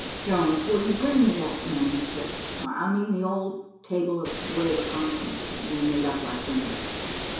Jones, will you bring me that manuscript? I mean the old table of wave constants we made up last winter."